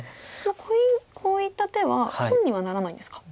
こういった手は損にはならないんですか。